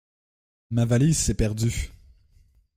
Ma valise s’est perdue.